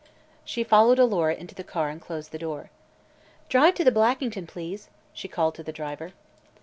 She followed Alora into the car and closed the door. "Drive to the Blackington, please," she called to the driver.